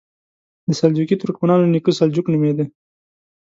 د سلجوقي ترکمنانو نیکه سلجوق نومېده.